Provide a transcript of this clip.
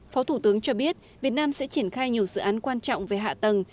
phó thủ tướng cho biết việt nam sẽ triển khai nhiều dự án quan trọng về hạ tầng